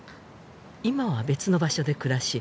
今は別の場所で暮らし